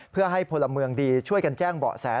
เพื่อให้พลเมืองดีช่วยกันแจ้งเบาะแส